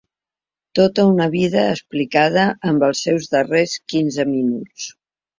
Tota una vida explicada en els seus darrers quinze minuts.